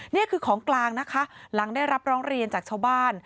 นี่คือของกลางนะคะหลังได้รับร้องเรียนจากชาวบ้าน